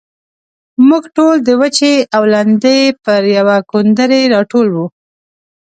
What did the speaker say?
موږ ټول د وچې او لندې پر يوه کوندرې راټول وو.